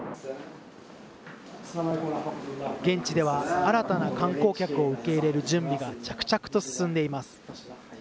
現地では、新たな観光客を受け入れる準備が着々と進んでいます。